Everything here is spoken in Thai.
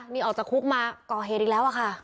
นี่ออกจากคุกมาก่อเหตุอีกแล้วอะค่ะ